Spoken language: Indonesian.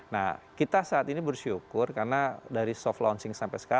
nah kita saat ini bersyukur karena dari soft launching sampai sekarang